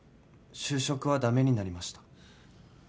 就職は駄目になりました。